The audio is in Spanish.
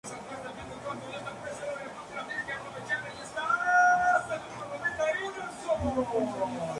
La cabeza sin cubrir expresa la condición pacífica del rey llamado el Magnánimo.